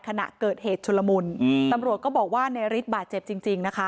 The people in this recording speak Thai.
ขณะเกิดเหตุชุลมุนตำรวจก็บอกว่าในฤทธิบาดเจ็บจริงจริงนะคะ